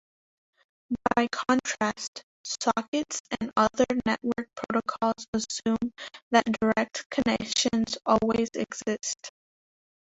By contrast, sockets and other network protocols assume that direct connections always exist.